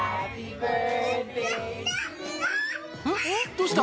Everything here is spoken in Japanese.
どうした？